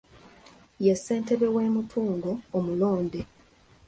Ye ssentebe w’e Mutungo omulonde.